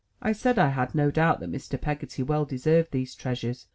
I said I had no doubt that Mr. Peggotty well deserved these treasures.